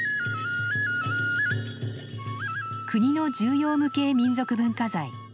国の重要無形民俗文化財ぶぜん神楽。